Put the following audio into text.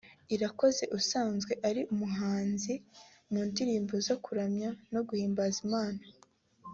Irakoze usanzwe ari umuhanzikazi mu ndirimbo zo kuramya no guhimbaza Imana